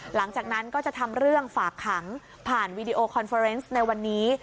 หลังจากนั้นก็จะทำเรื่องฝากขังผ่านวีดีโอคอนเฟอร์เนสในวันนี้